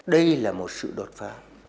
đây là một sự đột phá